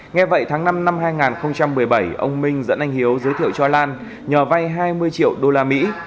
nghe vậy tháng năm năm hai nghìn một mươi bảy ông minh dẫn anh hiếu giới thiệu cho lan nhờ vay hai mươi triệu đô la mỹ